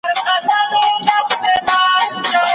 نن به ځم سبا به ځمه بس له ډار سره مي ژوند دی.